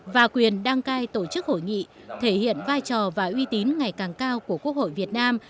và quyền đăng cai tổ chức hội nghị thể hiện vai trò và uy tín ngày càng cao của quốc hội việt nam